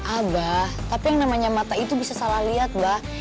abah tapi yang namanya mata itu bisa salah lihat mbak